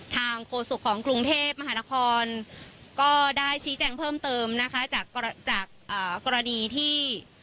โฆษกของกรุงเทพมหานครก็ได้ชี้แจงเพิ่มเติมนะคะจากจากกรณีที่